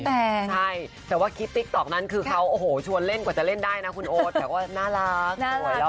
แล้วตัวเขาเองก็กำลังเหมือนเริ่มร่วมธุรกิจใหม่